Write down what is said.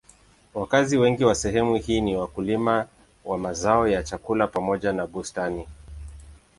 Wakazi wengi wa sehemu hii ni wakulima wa mazao ya chakula pamoja na bustani.